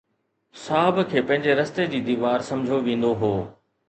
صاحب کي پنهنجي رستي جي ديوار سمجهيو ويندو هو.